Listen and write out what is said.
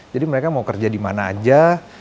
jadi mereka mau kerja di mana aja